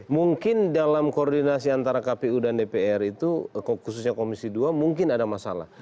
mungkin dalam koordinasi antara kpu dan dpr itu khususnya komisi dua mungkin ada masalah